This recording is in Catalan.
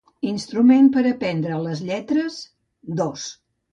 Instrument per aprendre les lletres; dos.